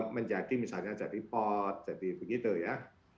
menjadi misalnya jadi pot jadi begitu ya